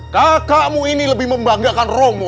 kakakmu ini lebih membanggakan romo